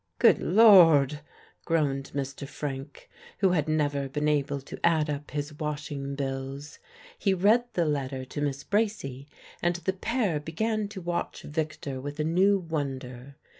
..." "Good Lord!" groaned Mr. Frank, who had never been able to add up his washing bills. He read the letter to Miss Bracy, and the pair began to watch Victor with a new wonder.